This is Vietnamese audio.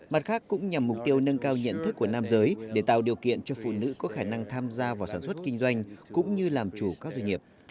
mặt khác cũng nhằm mục tiêu nâng cao nhận thức của nam giới để tạo điều kiện cho phụ nữ có khả năng tham gia vào sản xuất kinh doanh cũng như làm chủ các doanh nghiệp